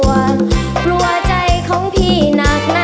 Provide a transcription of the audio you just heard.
แม่หรือพี่จ๋าบอกว่าจะมาขอมัน